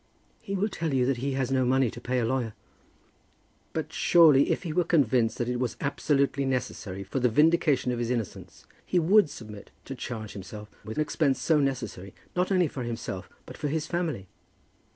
"He will tell you that he has no money to pay a lawyer." "But, surely, if he were convinced that it was absolutely necessary for the vindication of his innocence, he would submit to charge himself with an expense so necessary, not only for himself, but for his family?"